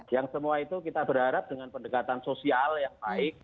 yang semua itu kita berharap dengan pendekatan sosial yang baik